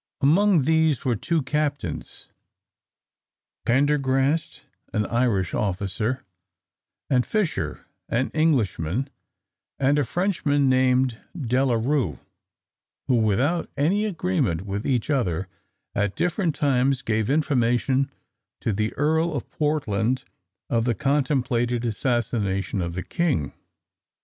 Among these were two captains, Pendergrast, an Irish officer, and Fisher, an Englishman, and a Frenchman named De la Rue, who without any agreement with each other, at different times gave information to the Earl of Portland of the contemplated assassination of the king.